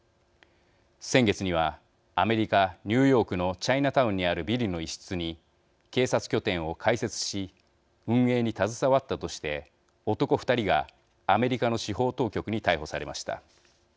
先月にはアメリカ・ニューヨークのチャイナタウンにあるビルの一室に警察拠点を開設し運営に携わったとして男２人がアメリカの司法当局に逮捕されました。